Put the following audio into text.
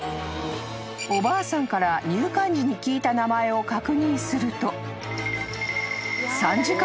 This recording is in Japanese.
［おばあさんから入館時に聞いた名前を確認すると］